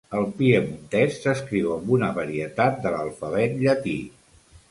El piemontès s'escriu amb una varietat de l'alfabet llatí.